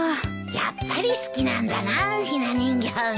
やっぱり好きなんだなひな人形が。